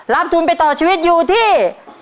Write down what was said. ทุนไปต่อชีวิตอยู่ที่